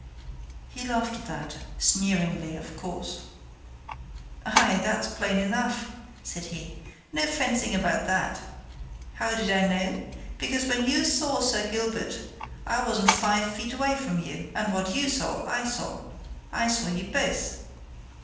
He laughed at that sneeringly, of course. "Aye, that's plain enough," said he. "No fencing about that! How did I know? Because when you saw Sir Gilbert I wasn't five feet away from you, and what you saw, I saw. I saw you both!"